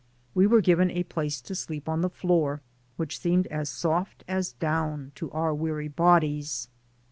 We were given a place to sleep on the floor, which seemed as soft as down to our weary bodies.